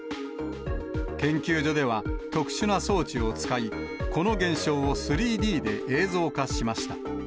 研究所では、特殊な装置を使い、この現象を３Ｄで映像化しました。